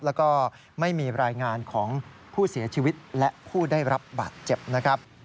แล้วก็ไม่มีรายงานของผู้เสียชีวิตและผู้ได้รับบาดเจ็บนะครับ